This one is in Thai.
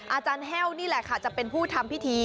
อาจารย์แห้วนี่แหละค่ะจะเป็นผู้ทำพิธี